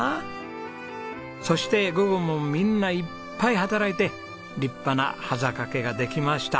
そして午後もみんないっぱい働いて立派なはざかげができました。